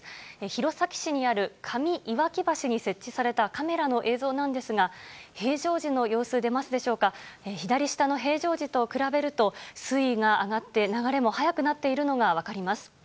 弘前市にある上岩木橋に設置されたカメラの映像なんですが、平常時の様子、出ますでしょうか、左下の平常時と比べると、水位が上がって流れも速くなっているのが分かります。